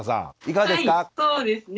いかがですか？